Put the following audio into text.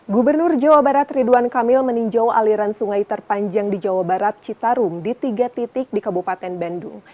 gubernur jawa barat ridwan kamil meninjau aliran sungai terpanjang di jawa barat citarum di tiga titik di kabupaten bandung